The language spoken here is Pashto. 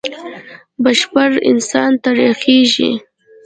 بشپړ انسان ترې خېژي.